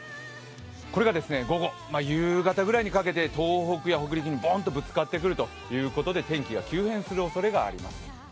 これが午後、夕方ぐらいにかけて東北や北陸にボーンとぶつかってくるということで、天気が急変するおそれがあります。